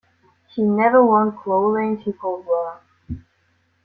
He never won clothing he could wear.